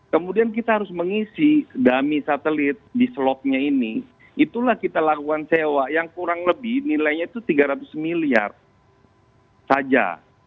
kemudian kita harus mengisi dami satelit di slotnya ini itulah kita lakukan sewa yang kurang lebih nilainya itu tiga ratus miliar saja